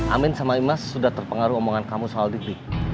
amin sama imas sudah terpengaruh omongan kamu soal dibik